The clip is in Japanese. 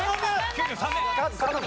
９３年。